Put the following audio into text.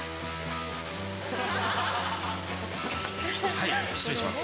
はい、失礼します。